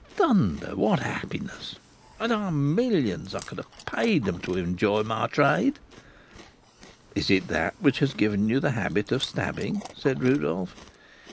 Thunder! what happiness! Had I had millions, I could have paid them to have enjoyed my trade!" "It is that which has given you the habit of stabbing," said Rodolph.